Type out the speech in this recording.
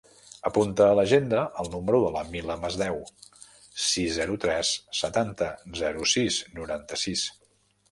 Apunta a l'agenda el número de la Mila Masdeu: sis, zero, tres, setanta, zero, sis, noranta-sis.